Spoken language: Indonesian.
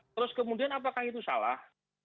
terus kemudian apakah itu salah